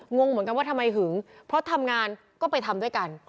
งงเหมือนกันว่าทำไมหึงเพราะทำงานก็ไปทำด้วยกัน